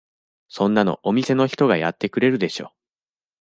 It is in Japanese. そんなのお店の人がやってくれるでしょ。